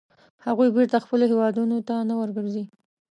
هغوی بېرته خپلو هیوادونو ته نه ورګرځي.